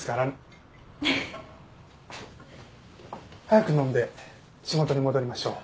早く飲んで仕事に戻りましょう。